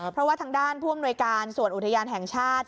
เพราะว่าทางด้านผู้อำนวยการส่วนอุทยานแห่งชาติ